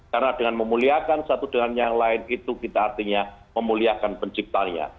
karena dengan memuliakan satu dengan yang lain itu kita artinya memuliakan penciptanya